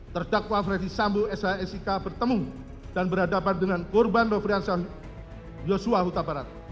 terdakwa freddy sambu sh sik bertemu dan berhadapan dengan korban nofriansah yosua utabarat